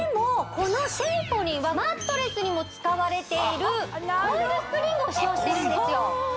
このシェイポリンはマットレスにも使われているコイルスプリングを使用してるんですよ